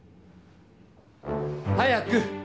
早く！